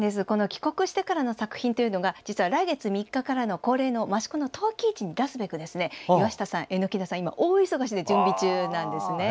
帰国してからの作品が実は来月３日からの恒例の益子の陶器市に出すべく岩下さん、榎田さんは今、大忙しで準備中なんです。